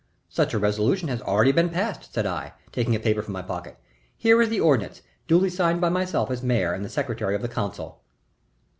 "Such a resolution has already been passed," said I, taking a paper from my pocket. "Here is the ordinance, duly signed by myself as mayor and by the secretary of the council."